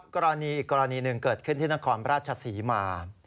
กรณีอีกกรณีหนึ่งเกิดขึ้นที่นครราชศรีมา